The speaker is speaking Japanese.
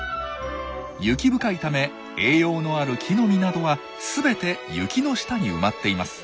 雪深いため栄養のある木の実などは全て雪の下に埋まっています。